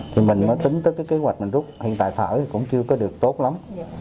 thì mình mới tính tới cái kế hoạch mình rút hiện tại thở thì cũng chưa có được tốt lắm